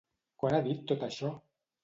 Quan ha dit tot això?